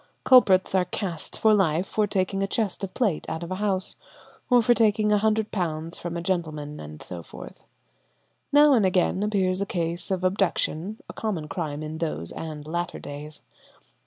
Culprits are "cast" for life for taking a chest of plate out of a house; or for taking £100 from a gentleman and so forth. Now and again appears a case of abduction, a common crime in those and later days.